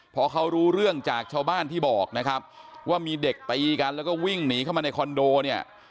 พอเขารู้เรื่องจากชาวบ้านที่บอกนะครับว่ามีเด็กตีกันแล้วก็วิ่งหนีเข้ามาในคอนโดเนี่ย